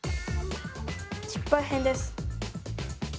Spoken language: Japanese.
失敗編です。